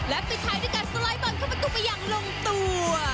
ปิดท้ายด้วยการสไลด์บอลเข้าประตูไปอย่างลงตัว